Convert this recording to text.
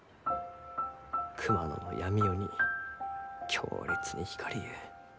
熊野の闇夜に強烈に光りゆう。